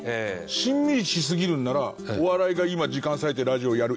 しんみりしすぎるんならお笑いが今時間割いてラジオやる意味もないし。